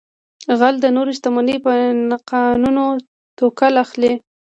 غل د نورو شتمنۍ په ناقانونه توګه اخلي